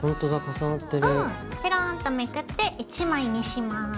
ぺろんとめくって１枚にします。